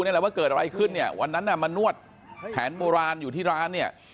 นี่แหละว่าเกิดอะไรขึ้นเนี่ยวันนั้นน่ะมานวดแผนโบราณอยู่ที่ร้านเนี่ย